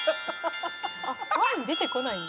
「前に出てこないんだ」